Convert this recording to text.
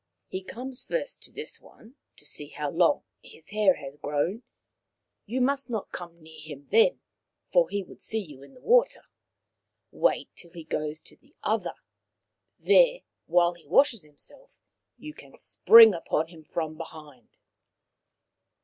He comes first to this one, to see how long his hair has grown. You must not come near him then, for he would see you in the water. Wait till he goes to the other ; there, while he washes himself, you can spring upon him from behind."